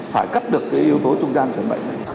phải cắt được cái yếu tố trung gian của bệnh